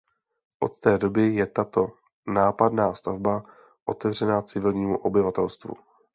Od té doby je tato nápadná stavba otevřena civilnímu obyvatelstvu.